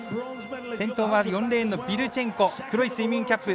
先頭が４レーンのビルチェンコ黒いスイミングキャップ。